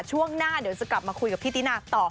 ช่วงหน้าเดี๋ยวจะกลับมาคุยกับพี่ตินาต่อ